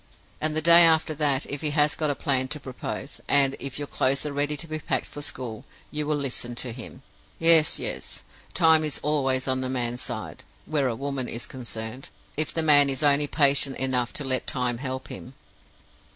And the day after that, if he has got a plan to propose, and if your clothes are ready to be packed for school, you will listen to him.' Yes, yes; Time is always on the man's side, where a woman is concerned, if the man is only patient enough to let Time help him.